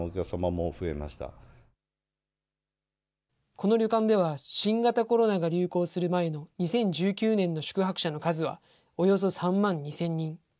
この旅館では、新型コロナが流行する前の２０１９年の宿泊者の数はおよそ３万２０００人。